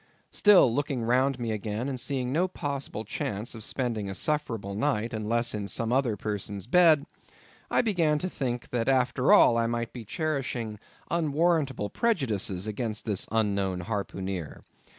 Still, looking round me again, and seeing no possible chance of spending a sufferable night unless in some other person's bed, I began to think that after all I might be cherishing unwarrantable prejudices against this unknown harpooneer.